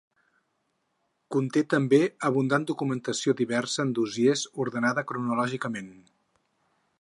Conté també abundant documentació diversa en dossiers ordenada cronològicament.